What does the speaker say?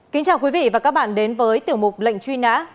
kính chào quý vị và các bạn đến với tiểu mục lệnh truy nã